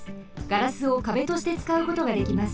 ガラスを壁としてつかうことができます。